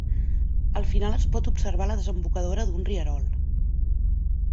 Al final es pot observar la desembocadura d'un rierol.